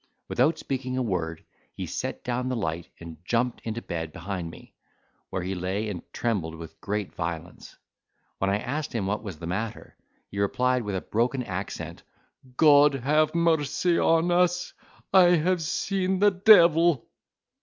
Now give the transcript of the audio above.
Without speaking a word, he set down the light and jumped into bed behind me, where he lay and trembled with great violence. When I asked him what was the matter, he replied, with a broken accent, "God have mercy on us! I have seen the devil!"